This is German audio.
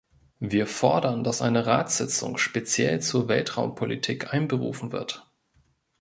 Wir fordern, dass eine Ratssitzung speziell zur Weltraumpolitik einberufen wird.